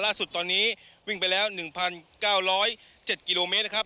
ล่าสุดตอนนี้วิ่งไปแล้ว๑๙๐๗กิโลเมตรนะครับ